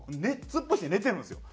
突っ伏して寝てるんですよ。